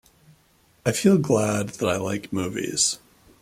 I feel glad that I like movies.